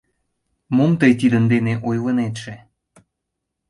— Мом тый тидын дене ойлынетше?